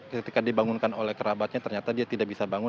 ketika dibangunkan oleh kerabatnya ternyata dia tidak bisa bangun